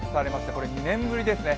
これ２年ぶりですね。